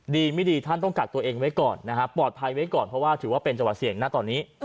ดีไม่ดีท่านต้องกักตัวเองไว้ก่อนนะฮะปลอดภัยไว้ก่อนเพราะว่าถือว่าเป็นจังหวัดเสี่ยงนะตอนนี้